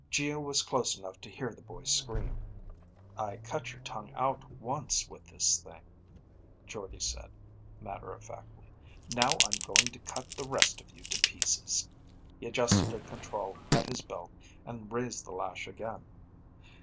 Geo was close enough to hear the boy scream. "I cut your tongue out once with this thing," Jordde said, matter of factly. "Now I'm going to cut the rest of you to pieces." He adjusted a control at his belt and raised the lash again.